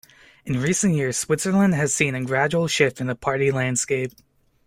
In recent years, Switzerland has seen a gradual shift in the party landscape.